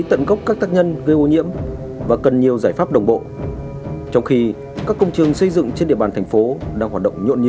thì chúng ta phải nhìn sâu vào đó là vì sao người ta không đội